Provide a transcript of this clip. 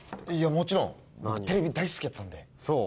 もちろんテレビ大好きだったんでそう？